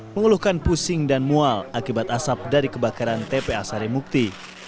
mengeluhkan pusing dan mual akibat asap dari kebakaran tpa sarimukti